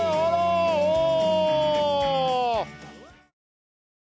おお！